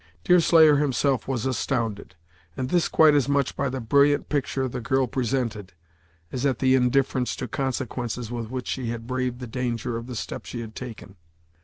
Deerslayer himself was astounded, and this quite as much by the brilliant picture the girl presented, as at the indifference to consequences with which she had braved the danger of the step she had taken.